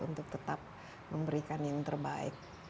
untuk tetap memberikan yang terbaik